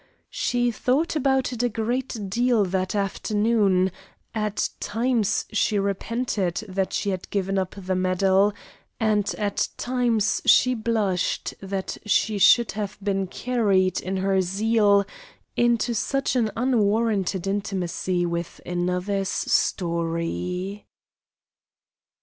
She thought about it a great deal that afternoon; at times she repented that she had given up the medal, and at times she blushed that she should have been carried in her zeal into such an unwarranted intimacy with another's story.